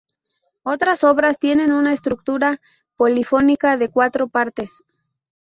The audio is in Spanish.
Estas obras tienen una estructura polifónica de cuatro partes.